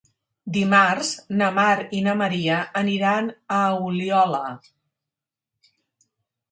Dimarts na Mar i na Maria aniran a Oliola.